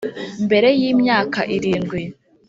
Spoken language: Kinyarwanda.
mbere yi myaka irindwi,